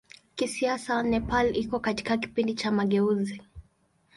Kisiasa Nepal iko katika kipindi cha mageuzi.